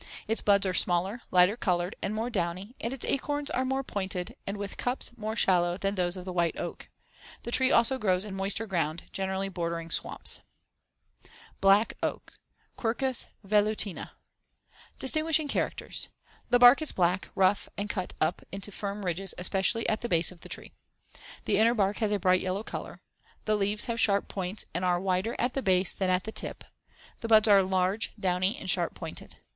Its buds are smaller, lighter colored and more downy and its acorns are more pointed and with cups more shallow than those of the white oak. The tree also grows in moister ground, generally bordering swamps. [Illustration: FIG. 60. Leaf and Fruit of Black Oak. (Quercus velutina).] BLACK OAK (Quercus velutina) Distinguishing characters: The *bark* is black, rough and cut up into firm *ridges* especially at the base of the tree, see Fig. 59. The inner bark has a bright yellow color: the *leaves* have sharp points and are wider at the base than at the tip as shown in Fig. 60. The buds are large, downy and sharp pointed.